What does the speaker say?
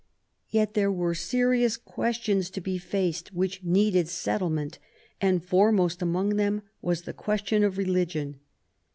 Yet there were serious questions to be faced, which needed settlement ; and foremost among them was the question of religion.